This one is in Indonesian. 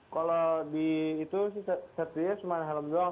kalau di situ sih safety nya cuma helm doang